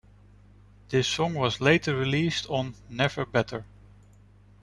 This song was later released on Never Better.